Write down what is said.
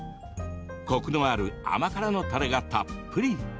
コクのある甘辛のたれがたっぷり。